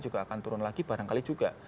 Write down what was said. juga akan turun lagi barangkali juga